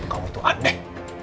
kamu tuh adek